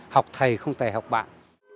học thầy không thể học bạn